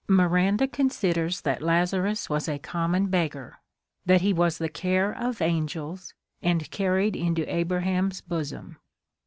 Miranda considers that Lazarus was a common beg gar, that he was the care of angels, and carried into Abraham's bosom.